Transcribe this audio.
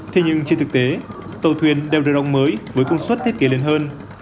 thế nhưng trên thực tế tàu thuyền đều đều động mới với công suất thiết kế lên hơn